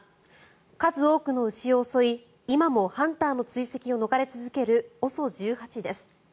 数多くの牛を襲い今もハンターの追跡を逃れ続けるＯＳＯ１８です。